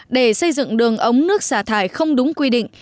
để xây dựng đường ống nước xả thải không đúng quy định